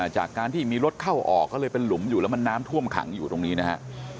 จากการที่มีรถเข้าออกก็เลยเป็นหลุมอยู่แล้วมันน้ำท่วมขังอยู่ตรงนี้นะฮะ